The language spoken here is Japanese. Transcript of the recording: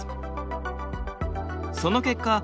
その結果